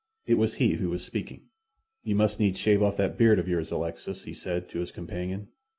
It was he who was speaking. "You must needs shave off that beard of yours, Alexis," he said to his companion.